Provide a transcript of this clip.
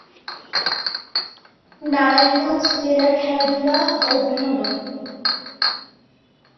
নারায়ণগঞ্জ জেলার খেলাধুলা ও বিনোদন